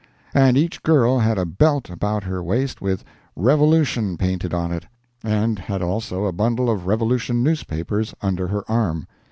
—and each girl had a belt about her waist with "Revolution" painted on it, and had also a bundle of Revolution newspapers under her arm.